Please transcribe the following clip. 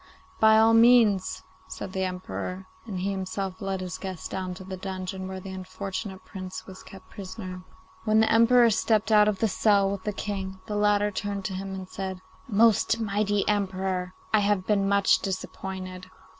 'By all means,' said the Emperor; and he himself led his guest down to the dungeon where the unfortunate Prince was kept prisoner. When the Emperor stepped out of the cell with the King, the latter turned to him and said, 'Most mighty Emperor, I have been much disappointed.